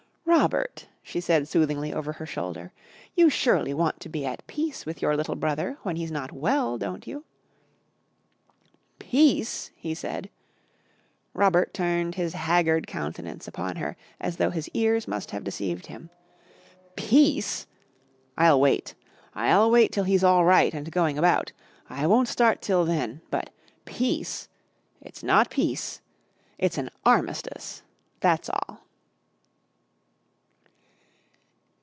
"Robert," she said soothingly over her shoulder, "you surely want to be at peace with your little brother, when he's not well, don't you?" "Peace?" he said. Robert turned his haggard countenance upon her as though his ears must have deceived him. "Peace! I'll wait. I'll wait till he's all right and going about; I won't start till then. But peace! It's not peace, it's an armistice that's all."